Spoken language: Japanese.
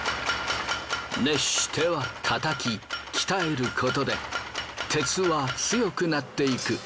熱しては叩き鍛えることで鉄は強くなっていく。